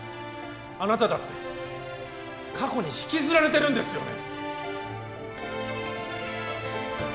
あなただって過去に引きずられてるんですよね